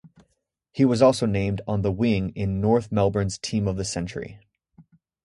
He was also named on the wing in North Melbourne's Team of the Century.